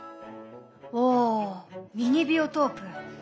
おミニビオトープ。